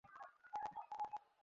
ওইটুকু ছেলের কতটুকুই বা রক্ত!